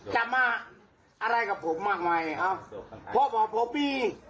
จะมาอะไรกับผมมากมายครับเพราะบอกผมมี